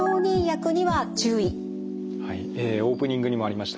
オープニングにもありました